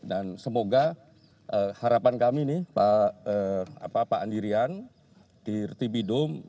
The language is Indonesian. dan semoga harapan kami nih pak andirian di rti bidom